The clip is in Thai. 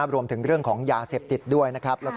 รวมถึงเรื่องของยาเสพติดด้วย